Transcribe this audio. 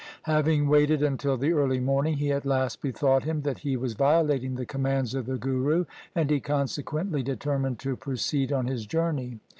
Having waited until the early morning, he at last bethought him that he was violating the commands of the Guru, and he consequently deter mined to proceed on his journey.